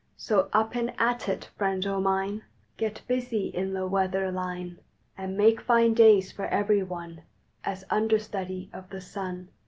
So up and at it, Friend o Mine! Get busy in the weather line, And make fine days for every one As Understudy of the Sun.